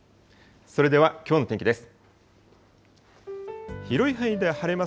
それではきょうの天気です。